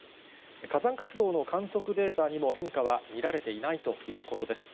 火山活動の観測データにも変化は見られていないということです。